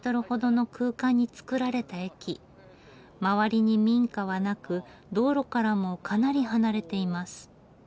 周りに民家はなく道路からもかなり離れています。